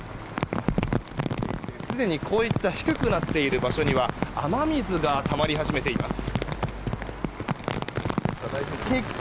すでに、こういった低くなっている場所には雨水がたまり始めています。